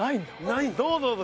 どうぞどうぞ。